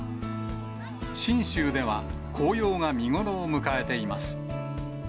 信州では紅葉が見頃を迎えています。